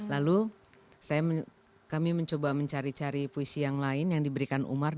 lalu kami mencoba mencari cari puisi yang lain yang diberikan umar